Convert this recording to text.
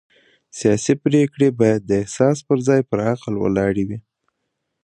سیاسي پرېکړې باید د احساس پر ځای پر عقل ولاړې وي